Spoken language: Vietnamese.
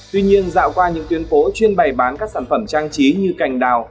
tuy nhiên dạo qua những tuyến phố chuyên bày bán các sản phẩm trang trí như cành đào